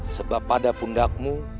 sebab pada pundakmu